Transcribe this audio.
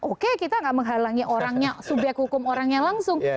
oke kita gak menghalangi orangnya subyek hukum orangnya langsung